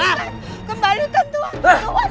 untuk apa anak kecil itu campur